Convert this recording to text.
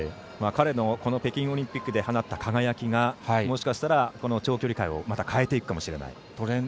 彼の北京オリンピックで放った輝きがもしかしたら長距離界を変えていくかもしれない。